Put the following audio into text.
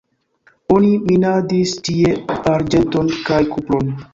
Oni minadis tie arĝenton kaj kupron.